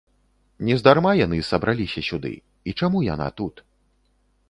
Нездарма яны сабраліся сюды, і чаму яна тут?